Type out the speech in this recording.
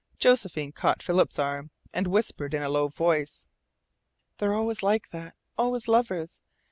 Josephine caught Philip's arm, and whispered in a low voice: "They are always like that, always lovers.